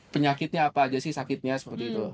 penyakitnya apa aja sih sakitnya seperti itu